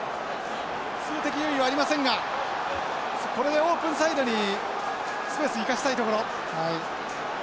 数的優位はありませんがこれでオープンサイドにスペース生かしたいところ。